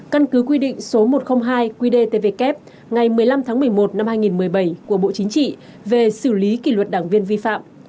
căn cứ quy định số một trăm linh hai qdtvk ngày một mươi năm tháng một mươi một năm hai nghìn một mươi bảy của bộ chính trị về xử lý kỷ luật đảng viên vi phạm